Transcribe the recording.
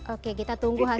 oke kita tunggu hasilnya